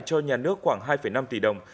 cho nhà nước khoảng hai năm tỷ đồng